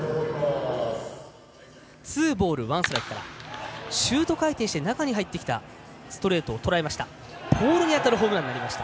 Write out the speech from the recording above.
ツーボール、ワンストライクからシュート回転して中に入ってきたストレートを捉えました。